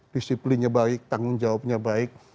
disiplinnya baik tanggung jawabnya baik